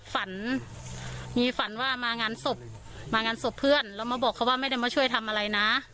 ฝันมีฝันว่ามางานศพมางานศพเพื่อนแล้วมาบอกเขาว่าไม่ได้มาช่วยทำอะไรนะ